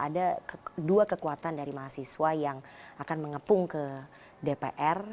ada dua kekuatan dari mahasiswa yang akan mengepung ke dpr